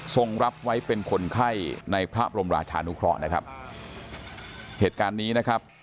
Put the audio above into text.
รับไว้เป็นคนไข้ในพระบรมราชานุเคราะห์นะครับเหตุการณ์นี้นะครับ